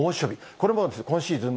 これも今シーズン